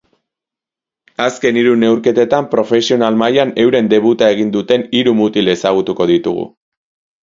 Azken hiru neurketetan profesional mailan euren debuta egin duten hiru mutil ezagutuko ditugu.